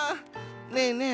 ねえねえ